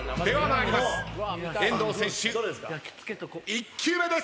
１球目です。